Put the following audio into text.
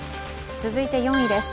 続いて４位です。